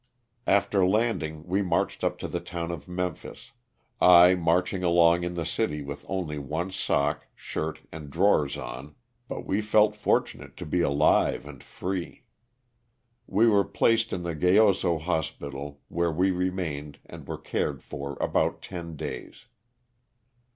After landing we marched up to the town of Memphis, I marching along in the city with only one sock, shirt and drawers on, but we felt fortunate to be L088 OF THE SO I/FA KA. 181 alive and free. We were placed in the Gayoso UoHpital where we remained and were cared for about ten days.